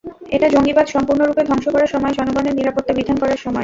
এটা জঙ্গিবাদ সম্পূর্ণরূপে ধ্বংস করার সময়, জনগণের নিরাপত্তা বিধান করার সময়।